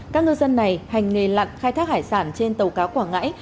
các ngư dân này hành nghề lặn khai thác hải sản trên tàu cá quảng ngãi